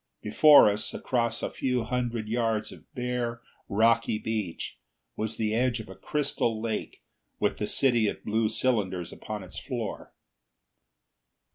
Before us, across a few hundred yards of bare rocky beach, was the edge of the crystal lake with the city of blue cylinders upon its floor.